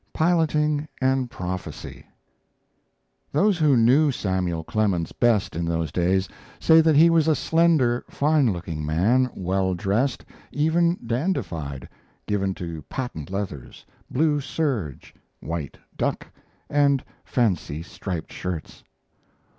PILOTING AND PROPHECY Those who knew Samuel Clemens best in those days say that he was a slender, fine looking man, well dressed even dandified given to patent leathers, blue serge, white duck, and fancy striped shirts.